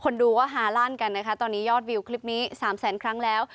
ดูก็ฮาลั่นกันนะคะตอนนี้ยอดวิวคลิปนี้๓แสนครั้งแล้ว